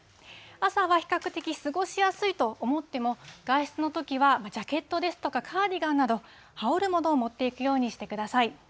朝は比較的過ごしやすいと思っても、外出のときはジャケットですとかカーディガンなど、羽織るものを持っていくようにしてください。